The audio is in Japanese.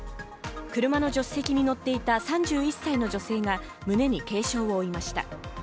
車の助手席に乗っていた３１歳の女性が胸に軽傷を負いました。